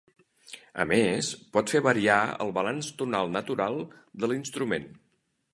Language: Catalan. A més, pot fer variar el balanç tonal natural de l’instrument.